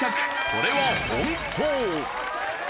これは本当。